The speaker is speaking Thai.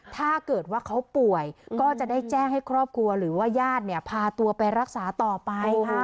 ถ้าเกิดว่าเขาป่วยก็จะได้แจ้งให้ครอบครัวหรือว่าญาติเนี่ยพาตัวไปรักษาต่อไป